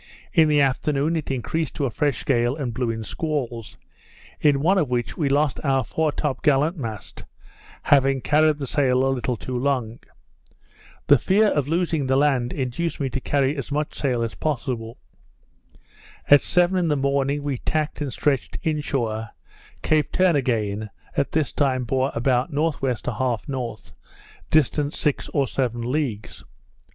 In the afternoon it increased to a fresh gale, and blew in squalls; in one of which we lost our fore top gallant mast, having carried the sail a little too long. The fear of losing the land induced me to carry as much sail as possible. At seven in the morning, we tacked and stretched in shore, Cape Turnagain at this time bore about N.W. 1/2 N. distant six or seven leagues.